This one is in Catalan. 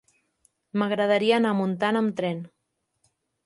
M'agradaria anar a Montant amb tren.